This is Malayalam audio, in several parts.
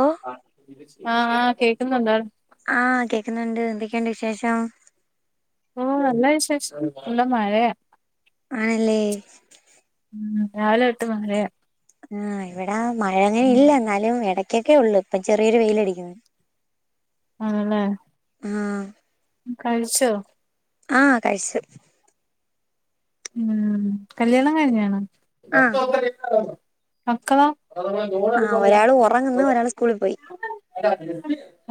ഓ ആഹ് ആഹ് കേക്കുന്നൊണ്ട് ആഹ് കേക്കുന്നുണ്ട്, എന്തൊക്കെയുണ്ട് വിശേഷം? ഓഹ് നല്ല വിശേഷം, ഫുൾ മഴയാ. ആണല്ലേ ഉം രാവിലെ തൊട്ട് മഴയ. ആഹ് ഇവിടെ മഴ അങ്ങനെ ഇല്ല എന്നാലും ഇടയ്ക്കൊക്കെ ഒള്ളു, ഇപ്പം ചെറിയൊരു വെയിലടിക്കുന്ന്. ആണല്ലേ ആഹ് കഴിച്ചോ? ആഹ് കഴിച്. ഉം കല്യാണം കഴിഞ്ഞ ആണോ? ആഹ് മക്കളാ [inaudible] ആഹ് ഒരാള് ഉറങ്ങുന്നു ഒരാള് സ്കൂളിൽ പോയി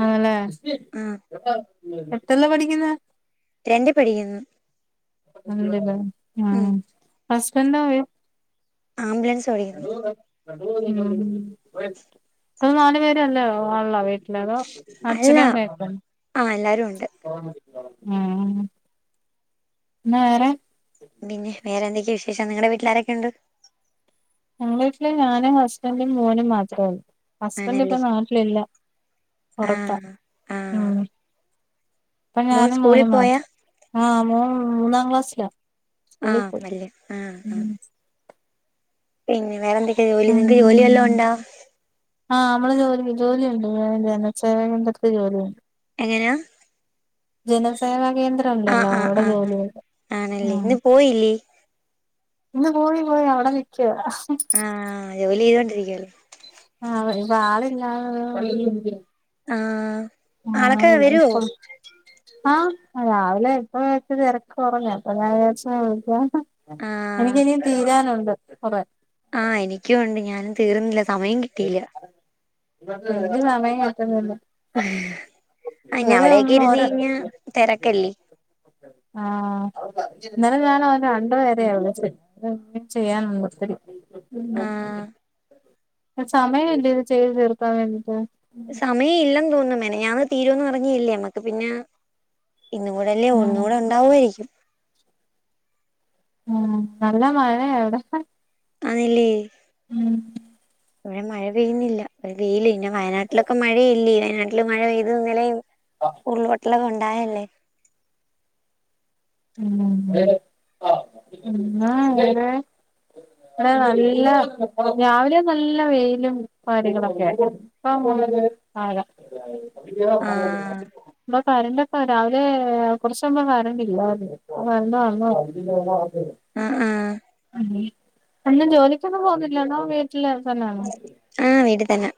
ആണല്ലേ, ആഹ് എത്രല്ല പഠിക്കുന്ന? രണ്ടി പഠിക്കുന്ന് ഉം ഉം ഹസ്ബൻഡാ? ആംബുലൻസ് [inaudible] ഓടിക്കുന്നു ഉം അത് നാലു പേരല്ലേ ഒള്ള വീട്ടില്, അതോ? അല്ല അച്ഛനും അമ്മയും ഉണ്ട്. ആഹ് എല്ലാരും ഉണ്ട് ഉം പിന്ന വേറെ പിന്നെ വേറെന്തൊക്കെയ വിശേഷം, നിങ്ങടെ വീട്ടിലാരൊക്കെ ഉണ്ട്? ഞങ്ങളെ വീട്ടില് ഞാനും ഹസ്ബൻറും മോനും മാത്രേ ഒള്ളൂ. ഹസ്ബൻഡ് ഇപ്പ ആണല്ലേ നാട്ടിലില്ല പൊറത്ത ആഹ് ആഹ് ഉം. ഇപ്പൊ മോൻ ഞാനും സ്കൂളിൽ മോനും പോയാ മാത്രം, ആഹ് മോൻ മൂന്നാം ക്ലാസ്സില. സ്കൂളി ആഹ് പോയി വല്യ ആഹ് ആഹ് ഉം പിന്നെ വേറെന്തൊക്കെ ജോലി, നിങ്ങക്ക് ജോലിവെല്ലോം ഒണ്ട? ആഹ് നമ്മള് ജോലി ജോലിയ ഉണ്ട്, ജനസേവ കേന്ദത്തി ജോലി ഒണ്ട് എങ്ങനെയ ജനസേവ കേന്ദ്രം ആഹ് ഒണ്ടല്ലോ, ആഹ് അവിടെ ആഹ് ആഹ് ജോലി ഒണ്ട് ആണല്ലേ ഉം. ഇന്ന് പോയില്ലേ ഇന്ന് പോയി പോയി, അവിടെ നിക്ക. ആഹ് ജോലി ചെയ്തോണ്ടിരിക്കുവല്ലേ. ആഹ് ഇവടെ ആളില്ല ഇങ്ങനെ [unintelligible] ആഹ് ആളൊക്കെ വരുവോ ആഹ് രാവിലെ ഇപ്പ ഇച്ചിരി തിരക്ക് കുറഞ്ഞയ അപ്പ ഞാ വിചാരിച് വിളിക്ക ആഹ് എനിക്ക് ഇനിയും തീരാനുണ്ട് കൊറേ. ആഹ് എനിക്കും ഒണ്ട് ഞാനും തീർന്നില്ല സമയം കി എനിക്കും സമയം കിട്ടുന്നില്ല ആഹ് ഇന്നലെ അവിടേക്ക ഒന്നും ഇരുന്ന് കയിഞ്ഞ ഒര തിരക്കല്ലേ. ആഹ് ഇന്നലെ ഞാൻ അവ രണ്ടു പേരയ വിളിച്ചേ. ചെയ്യാനൊണ്ട് ഒത്തിരി. ആഹ് സമയം ഇല്ല ഇത് ചെയ്ത് തീർക്കാൻ വേണ്ടിട്ട്. സമയം ഇല്ലെന്ന് തോന്ന് മെനഞാന്ന് തീരുന്ന് പറഞ്ഞല്ലേ, നമ്മക്ക് പിന്ന ഇന്ന് കൂടെല്ലേ ഒ ഉം ഇന്നുടെ ഉണ്ടാവയിരിക്കും ഉം നല്ല മഴ ഇവിടെ. ആണല്ലേ! ഉം ഇവിടെ മഴ പെയ്യുന്നില്ല, വെയില് പിന്നെ വയനാട്ടിലൊക്കെ മഴയല്ലേ! ട്ടില് മഴ പെയ്ത് ഇന്നലേം ആഹ ഉരുൾ പൊട്ടൽ ഒകെ ഉണ്ടായല്ലേ? ഉം ഉ [unintelligible] അെ നല്ല രാവിലെ നല്ല വെയിലും കാര്യങ്ങളൊക്കെ ആഹ പോണത് ആ ഇ ആഹ് കരന്റെക്ക രാവിലെ കുറച്ച്പ കരണ്ടില്ല വന്ന വന്ന ആഹ ആഹ ഉ അന്ന് ജോലിക്കൊന്നും പോവന്നില്ലണോ വീട്ടില് തന്നെയാണോ ആഹ വീട് തന്നെ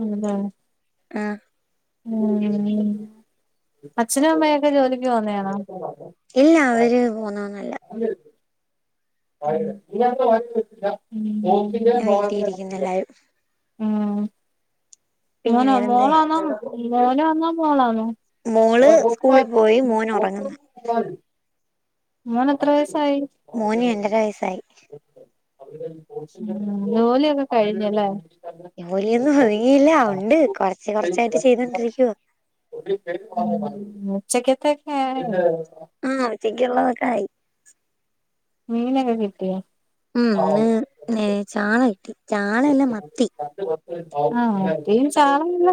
ഉം ഉം ആ ഉ അച്ഛനും അമ്മയൊക്കെ ജോലിക്ക് പോന്നതണോ ഇല്ല അവര് പോന്നന്നല്ല ഇ വക്കില്ല പോവാ വീട്ടിയിരിക്കുന്നു എല്ലാരും ഉം പിന്നെ മോനാ വേറെന്ത് മോള വന്നാ മോന വന്നാ മോളാന്നോ മോള് സ്കൂളിൽ പോയി മോന ഉറങ്ങുന്ന ആ മോൻ എത്ര വയസ്സായി മോന് രണ്ടര വയസ്സായി ഉ ജോലിയൊക്കെ കഴിഞ്ഞല്ലേ ജോലിയൊന്നും കഴിഞ്ഞില്ല ഉണ്ട് കൊറച്ച് കൊറച്ചായിട്ട് ചെയ്തൊണ്ടിരിക്കുവോ ഉച്ചക്കത്തക്ക ആയ ആഹ് ഉച്ചക്ക് ഉള്ളതൊക്കെ ആ മീനെക്ക കിട്ടുവ ഉംന്ന് ചാള കിട്ടി ചാള എല്ലാം മത്തി ആഹ മത്തിയും ചാറല്ല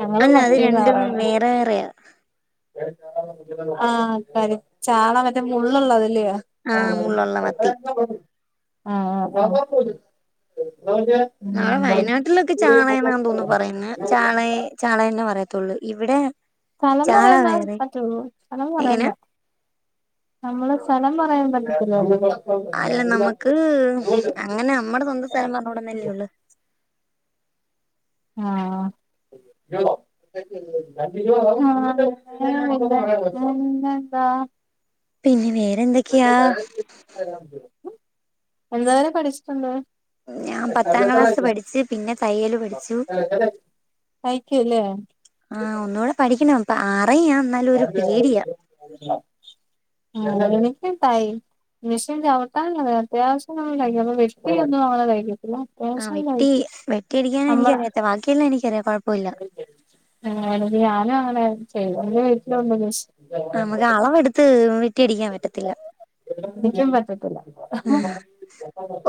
ഞങ്ങള് അല്ല അത് മത്തിയു രണ്ടും പറയ്ന്നേ വേറെ വേറെയാ ആഹ കരി ചാള മറ്റേ മുള്ളതല്ലയോ ആഹ് മുള്ളുള്ള മത്തി ആ നഞെ വയനാട്ടിലൊക്കെ ചാണയം എന്നാണ് തോന്നുന്നു പറയുന്നത് ചാണയം ചാള തന്നെ പറയത്തുള്ളൂ ഇവിടെ സ്ഥലം ചാള പറയൻമ്പാ വേറെ പറ്റുള്ളൂ സ്ഥലം എങ്ങനെ പറയമ്പ നമ്മള് സ്ഥലം പറയാൻ പറ്റത്തില്ല അല്ല നമ്മുക്ക് അങ്ങനെ നമ്മടെ സ്വന്തം സ്ഥലം പറഞ്ഞോടുന്നല്ലേ ഉള്ളു ആഹ പിന്നെന്താ പിന്നെ വേറെന്തൊക്കെയാ [unintelligible] എന്തനെ പഠിച്ചിട്ടുണ്ട് ഞാൻ പത്താം ക്ലാസ് പഠിച്ചു പിന്നെ തയ്യല് പഠിച്ചു തയ്ക്കകൂല്ലേ ആഹ് ഒന്നുകൂടെ പഠിക്കണം അപ്പ അറ ആ തായി മഷൻ ചവിട്ടാല്ലത് അത്യാവശ്യം നൾ കഴിക്ക അപ്പ വെട്ടിയ ഒന്നും അവളെ കഴകത്തില്ല ആ വെട്ടി വെട്ടിയടിക്കാനൻ എനിക്കറിയത്ത ബാക്കിയെല്ലാം എനിക്കറിയ കുഴപ്പമില്ല ആത് ഞാനും അങ്ങനെ ചെയ്ത എന്റെ വീട്ടിലുണ്ട് മിഷിന നമുക്ക് അളവെടുത്ത് വിട്ടി അടിക്കാൻ പറ്റത്തില്ല എനിക്കും പറ്റത്തില്ല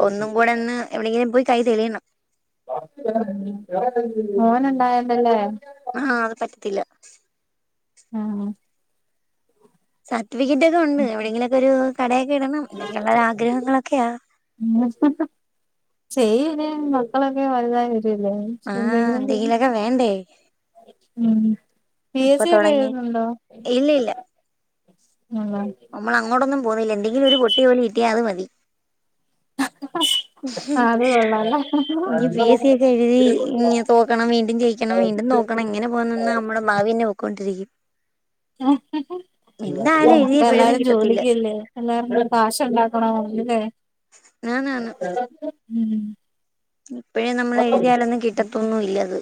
ഒന്നും കൂടെ ഒന്ന് എവിടെെങ്കിലും പോയി കൈ തെളിയണം മോന ഉണ്ടായുന്നല്ലേ ആഹ് അത് പറ്റത്തില്ല ആണ് സർട്ടിഫിക്കറ്റ് ഒക്കെ ഉണ്ട് എവിടെയെങ്കിലുംക്കെരു കടയൊക്കെ ഇടണം എന്നോക്കെയുള്ള ആഗ്രഹങ്ങളൊക്കെയാ ചെയ്യര് മക്കളൊക്കെ വലുതായി വരല്ലേ ആഹ് എന്തെങ്കയിലൊക്കെ വേണ്ടേ ഉം പി എസ് ഇപ്പൊ സി ഒക്കെ തുടങ്ങി എഴുതുന്നുണ്ടോ ഇല്ല [unintelligible] മ്മൾ അങ്ങോട്ടൂനും പോവുന്നില്ല എന്തെങ്കിലും പൊട്ടിയ ജോലി കിട്ടിയ അത് മതി ഉം ആഹ് അത് കൊള്ളാല്ലോ ഇനി പി എസ് സി ഒക്കെ എുഴുതി ഇഞ് തോക്കണം വീണ്ടും ജയിക്കണം വീണ്ടും തോക്കണം എങ്ങനെ പോകാൻ നിന്ന നമ്മളെ ഭാവി ഇങ്ങനെ പോക്കൊണ്ടിരിക്കും എന്തായാലും എഴുതിയ ഇപ്പൊ പിഴയൊന്നും എല്ലാരും കിട്ടത്തില്ല ജോലിക്കല്ലേ എല്ലാവർക്കും കാശ് ഉണ്ടാക്കണല്ലേ ആന്നാന്ന് ഇപ്പോഴേ നമ്മൾ എഴുതിയാലൊന്നും കിട്ടത്തൊന്നും ഇല്ലത്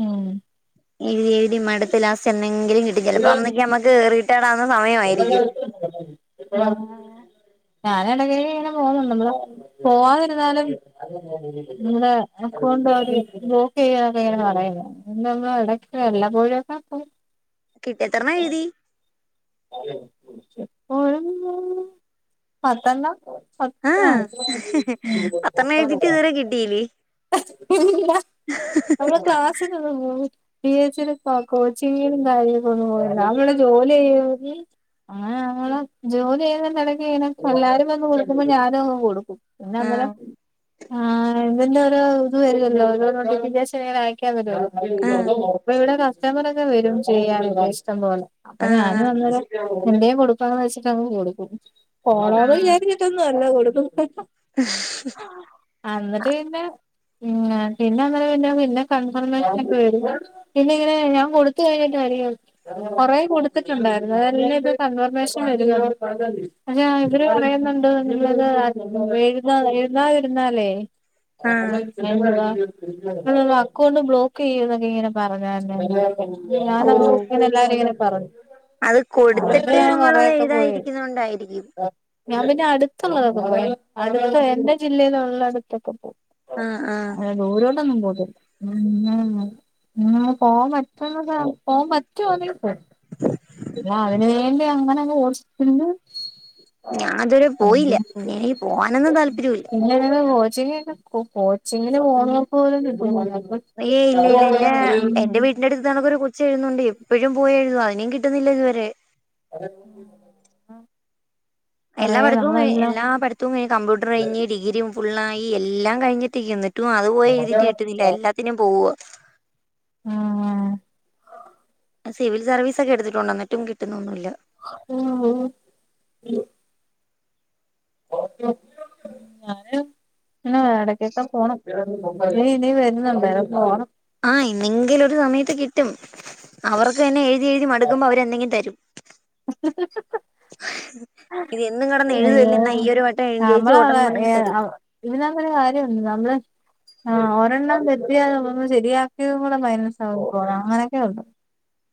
ഉം എഴുതി എഴുതി മടുത്ത് ലാസ്റ്റ് എന്നെങ്കിലും കിട്ടും ചിലപ്പോ അന്നക്കെ നമ്മുക്ക് റിട്ടേഡ് ആവുന്ന സമയം ആഹ് ഞാൻ ഇടക്കൊക്കെ ഇങ്ങനെ പോവുന്നുണ്ട് പോവാതിരുന്നാലും ഇന്റെ അക്കൗണ്ട് അവര് ബ്ലോക്ക്‌ ചെയ്യാനൊക്കെ എങ്ങനെ പറയുന്ന നമ്മൾ ഇടയ്ക്ക വല്ല പോയൊക്കെ പോയി കിട്ടിയ എത്രണ്ണം എഴുതി [unintelligible] പത്തണ്ണം പത്ത് ആഹ് പത്തെണ്ണം എഴുതിട്ട് ഇതുവരെ കിട്ടിയില്ലേ ഇല്ല നമ്മളെ ക്ലാസ് പി യെസ് ഇന്റെ കോച്ചിങ്ങും കാര്യങ്ങൾക്കോന്നും പോവലില്ല അവര് അവിടെ ജോലി ചെയ്യ [unintelligible] ആ അങ്ങനെ ഞമ്മള് ജോലി ചെയ്യുന്നതിന്റേടക് എല്ലാവരും വന്ന് കൊടുക്കുമ്പോ ഞാനും ങ്ങ് കൊടുക്കും ആഹ് പിന്നെഅന്നേരം ആഹ് ഇതിന്റെ ഒരു ഇത് വരുല്ലോ നോട്ടിഫിക്കേഷൻ അയക്കാൻ വരുല്ലോ ആഹ് ഇപ്പ ഇവിടെ കസ്റ്റമറോക്കെ വരും ചെയ്യാൻ ഇഷ്ടം പോലെ അപ്പൊ ഞാൻ ആഹ് എന്റെയും കൊടുക്കാന്ന് വെച്ചിട്ട് അങ്ങ് കൊടുക്കും പോണ വര് ട്ടൊന്നുല്ല കൊടുകുന്നേ ശ് ശ് അന്നിട്ട് പിന്നെ ഉം പിന്നെ അങ്ങനെ പിന്നെ പിന്നെ കൺഫർമേഷൻ ഒക്കെ വരും പിന്ന ഇങ്ങനെ ഞാൻ കൊടുത്ത കഴിഞ്ഞിട്ട് അറിയാം കൊറേ കൊടുത്തു കൊടുത്തുട്ടുണ്ടായിരിന്നു അതെല്ലാം കൺഫർമേഷൻ വരിക അ ഇവര് പറയുന്നുണ്ട് ആ എഴുതാ എഴുതാതിരുന്നാലേ ആ ആഹ് അക്കൗണ്ട് ബ്ലോക്ക് ചെയ്യും എന്നൊക്കെ ഇങ്ങനെ പറഞ്ഞായിരുന്നു ഓഹ് എല്ലാരും ഇങ്ങനെ പറഞ്ഞു അത് അപ്പോ കൊടുത്തിട്ട് ഞാൻ നമ്മളത് കൊറൊക്കെ പോയത് എഴുതാതിരിക്കുന്നോണ്ടായിരിക്കും ഞാൻ പിന്നെ അടുത്തുള്ളതൊക്കെ പോയിനിം അടുത്ത എന്റെ ജില്ലയിലള്ള അടുത്തൊക്കെ പോവും ആഹ് ആഹ് അങ്ങനെ ദൂരോട്ടൊന്നും പോവത്തില്ല പോവാൻ പറ്റന്ന സ്ഥലം പോവാൻ പറ്റോന്നങ്കി പോവും അതിന് വേണ്ടി അങ്ങനെ ഹോസ്റ്റൽ ആഹ് ഞാൻ ഇതുവരെ പോയില്ല പിന്നെ എനിക്ക് പോവാനൊന്നും താല്പര്യമില്ല പിന്നെ അങ്ങനെ കോച്ചിംഗ് ഒക്കെ കോച്ചിങ്ങില് പോണോൽക്ക് പോലും കിട്ടൂല ഏയ് ഇല്ല ഇല്ല എന്റെ എന്റെ വീട്ടിൽ എന്റെ അടുത്ത് നടക്കൊരു കൊച്ച എഴുന്നുണ്ട് എപ്പോഴും പോയി എഴുത അയിനും കിട്ടുന്നില്ല ഇതുവരെ ആഹ് എല്ലാവർക്കും എല്ലാ പഠത്തവും കഴിഞ്ഞ് കമ്പ്യൂട്ടർ കഴിഞ്ഞ് ഡിഗ്രും ഫുള്ളായി എല്ലാം കഴിഞ്ഞിട്ടിരിക്കണ് റ്റും അത്പോയി എഴുതിട്ട് കിട്ടുന്നില്ല എല്ലാത്തിനും പോവോ ആഹ് സിവിൽ സർവീസൊക്കെ എടുത്തിട്ടൊണ്ട് എന്നിട്ടും കിട്ടുന്നൊന്നുല്ല ഉം ഞാന് ആഹ് എടയ്ക്കൊക്കെ പോണം നീ ഇനീം വര്ന്ന്ണ്ടൊ പോണം ആഹ് എന്നെങ്കിലൊരു സമയത്ത് കിട്ടും അവർക്കെന്നെ എഴ് തിയെഴ്തി മടുക്കുമ്പോ അവരെന്നെങ്കി തരും ഹ [unintelligible] ഇത് എന്നും കെടന്ന് എഴ്തല്ലേ അയ്യോ ഇന്നാ ഈ ഒരു വട്ടം നമ്മള ജയിച്ചുപോട്ടേന്നു പറഞ്ഞങ്ങ് തരും ഇതിനകത്തൊരു കാര്യോണ്ട് നമ്മള് ആഹ് ഒരെണ്ണം തെറ്റിയാ അപ്പാപ്പം ശരിയാക്കിയത് കൂടെ മൈനസ്സാവു പോലോ അങ്ങനെയൊക്കെ ഉണ്ട്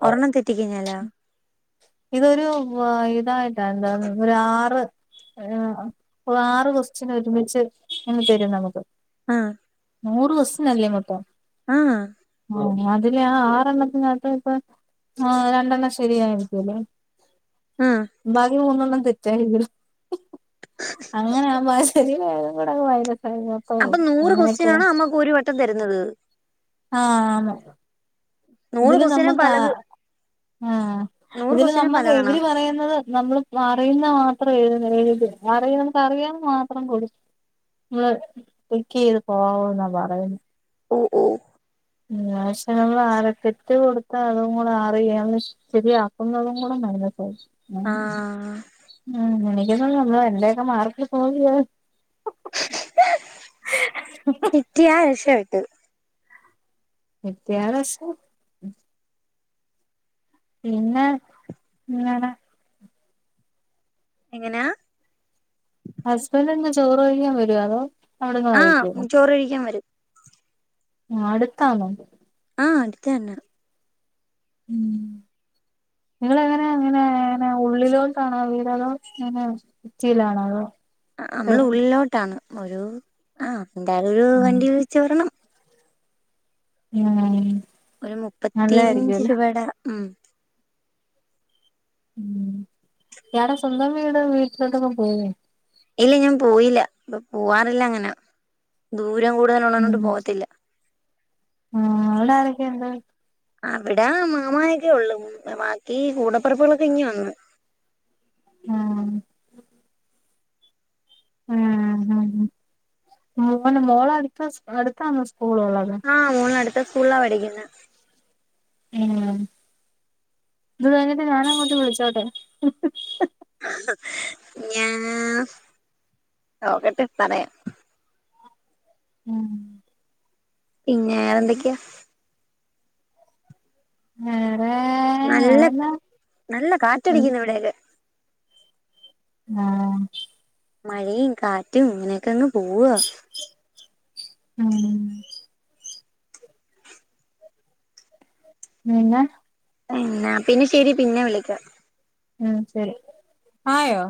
ഒരെണ്ണം തെറ്റിക്കയിഞ്ഞാലോ ഇതൊരു വൊ ഇതായിട്ടാ എന്താ ഒരാറ് [unintelligible] ഒര് ആറ് കൊസ്റ്റനൊരുമിച്ച് ഇങ്ങനെ തരും നമുക്ക് ആഹ് നൂറ് ക്വൊസ്റ്റ്യനല്ലേ മൊത്തം ആഹ് ഓഹ് അതില് ആ ആറെണ്ണത്തിനകത്ത് ഇപ്പ ആ രണ്ടെണ്ണം ശരിയായിരിക്കൂലേ ആഹ് ബാക്കി മൂന്നെണ്ണം തെറ്റായെങ്കില് അങ്ങനെ ആവുമ്പോ ആ ശരിയായതുകൂടെങ്ങ് മൈനസ്സായി പോവും അപ്പം നൂറ് അങ്ങനെയൊക്കെ കൊസ്റ്റ്യനാണോ നമ്മക്ക് ഒരു വെട്ടം തര്ന്നത് ആഹ് ആന്ന് നൂറ് ഇതില് ക്വസ്റ്റ്യനും നമ്മക്കാ പലത് ആഹ് നൂറ് ഇതില് ക്വസ്റ്റ്യനും നമ്മക്ക് പലതാണാ ഇവര് പറയ്ന്നത് നമ്മള് അറിയുന്ന മാത്രം എഴ്ത എഴ്ത് അറിയ അറിയാന്ന മാത്രം കൊട് ഇങ്ങള് ടിക്കെയ്ത് പോവുന്നാ പറയ്ന്നെ ഓഹ് ഓഹ് ങ്ങാ ക്ഷെ നമ്മൾ അരക്കെറ്റ് കൊടുത്താ അതും കൂടെ അറിയ്യാ ശെരിയാക്കുന്നതും കൂടെ മൈനസ്സാവും ഉം ആഹ് ഉം എനിക്കൊന്നും [unintelligible] എന്റെയൊക്കെ മാർക്കിൽ പോയേ ഉ [unintelligible] ട്ടിയാ രക്ഷപ്പെട്ട് കിട്ടിയ രക്ഷ പിന്നെ ഇങ്ങനെ എങ്ങനാ ഹസ്ബന്റിന്ന് ചോറ് കഴിക്കാൻ വരോ അതോ അവിടുന്ന് ആഹ് കഴിക്കോ ചോറ്കഴിക്കാൻ വരും ആഹ് അട്ത്താന്നോ ആഹ് അട്ത്ത്ത്തെന്നെ ഉം നിങ്ങളെങ്ങനാ അങ്ങനെ [unintelligible] ഉള്ളിലോട്ടാണോ വീട് അതോ ഇങ്ങനെ സിറ്റിലാണോ അതോ ആഹ് ആഹ് നമ്മള് ഉള്ളിലോട്ടാണ് ഒരു ആഹ് എന്തായാലൊരു ഉം വണ്ടി വിളിച്ച് വരണം മ്മ് ഒരു മുപ്പത്തിയഞ്ച് രൂപേടെ ഉം ഉം ഇയാടെ സ്വന്തം വീട് വീട്ടിലോട്ടൊക്കെ പോവോ ഇല്ല ഞാൻ പോയില്ല ഇപ്പൊ പോവാറില്ലങ്ങനെ ദൂരം ഉം കൂടുതലുള്ളോണ്ട് പോകത്തില്ല ആഹ് അവടെ ആരൊക്കെണ്ട് അവിടെ മാമായൊക്കെയൊള്ളൂ ബാക്കി കൂടപ്പറപ്പുകളൊക്കെ ഇങ്ങ് വന്ന് ആഹ് ഏഹ് [unintelligible] മോന് മോളടുത്ത അടുത്താണോ സ്കൂളുള്ളത് ആഹ് മോളട്ത്ത സ്കൂള്ല പഠിക്കുന്നെ ഉം ഇത് കഴിഞ്ഞിട്ട് ഞാൻ അങ്ങോട്ട് വിളിച്ചോട്ടെ ഞാൻ നോക്കട്ടെ പറയാം ഉം പിന്നെറെന്തൊക്കെയാ വേറെ നല്ല വേറെന്നാ നല്ല കാറ്റടിക്കുന്നു ഇവിടയില് ആഹ് മഴയും കാറ്റും ഇങ്ങനെയൊക്കെ അങ്ങ് പോവാ [unintelligible] [unintelligible] പിന്നാ ശെരി പിന്നെ വിളിക്കാം. [unintelligible] ആയോ